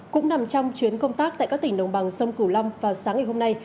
cũng nằm trong chuyến công tác tại các tỉnh đồng bằng sông cửu long vào sáng ngày hôm nay